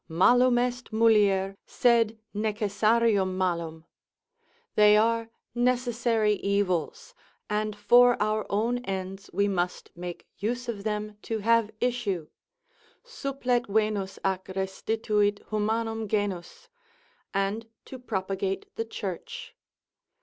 Malum est mulier, sed necessarium malum. They are necessary evils, and for our own ends we must make use of them to have issue, Supplet Venus ac restituit humanum genus, and to propagate the church.